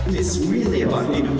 ini benar benar tentang hidup